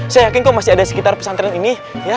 saya yakin kok masih ada sekitar pesantren ini